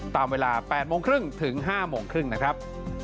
ตามเวลา๘โมงครึ่งถึง๕โมงครึ่งนะครับ